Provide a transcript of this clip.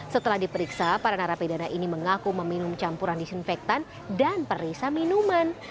setelah diperiksa para narapidana ini mengaku meminum campuran disinfektan dan periksa minuman